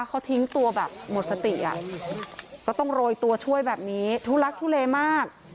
เขาทิ้งตัวแบบหมดสติอ่ะก็ต้องโรยตัวช่วยแบบนี้ทุลักทุเลมาก